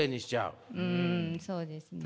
うんそうですね。